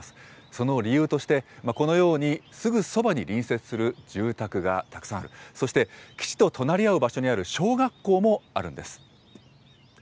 その理由として、このようにすぐそばに隣接する住宅がたくさんある、そして基地と隣り合う場所にある小学校もあるんです。